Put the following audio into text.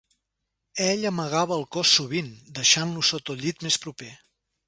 Ell amagava el cos sovint, deixant-lo sota el llit més proper.